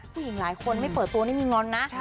ผู้หญิงหลายคนไม่เปิดตัวไม่มีงอนนะ